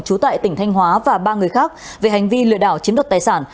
trú tại tỉnh thanh hóa và ba người khác về hành vi lừa đảo chiếm đoạt tài sản